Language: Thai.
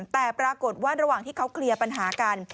แต่ปรากฏว่าระหว่างที่เขาเคลียร์ปัญหากัน